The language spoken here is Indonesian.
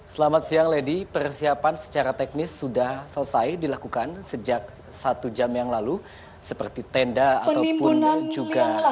selamat siang lady persiapan secara teknis sudah selesai dilakukan sejak satu jam yang lalu seperti tenda ataupun juga